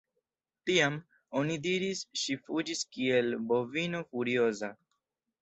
Tiam, oni diris ŝi fuĝis kiel bovino furioza.